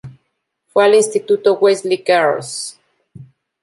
Fue al instituto Wesley Girls.